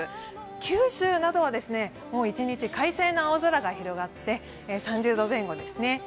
九州などはもう一日、快晴の青空が広がって、３０度前後ですね。